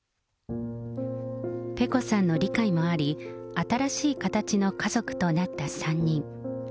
ペコさんの理解もあり、新しい形の家族となった３人。